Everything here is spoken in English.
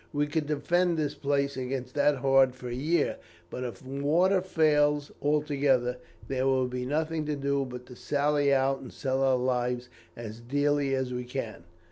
We could defend this place against that horde for a year; but if water fails altogether, there will be nothing to do but to sally out and sell our lives as dearly as we can.'